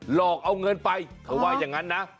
หลอกเอาเงินไปเธอว่าอย่างนั้นนะ